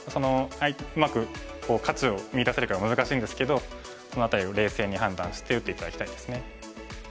うまく価値を見いだせるかは難しいんですけどその辺りを冷静に判断して打って頂きたいですね。